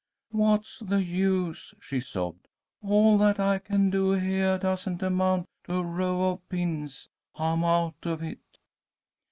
"What's the use?" she sobbed. "All that I can do heah doesn't amount to a row of pins. I am out of it."